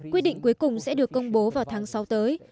quyết định cuối cùng sẽ được công bố vào tháng sáu tới